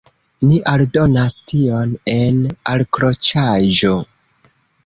Ni aldonas tion en alkroĉaĵo.